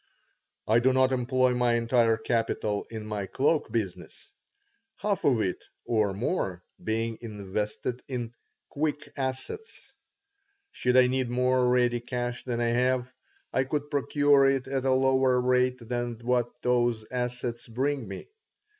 I do not employ my entire capital in my cloak business, half of it, or more, being invested in "quick assets." Should I need more ready cash than I have, I could procure it at a lower rate than what those assets bring me.